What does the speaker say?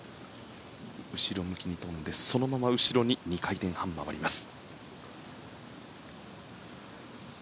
後ろ向きに跳んでそのまま後ろに２回転半回ります。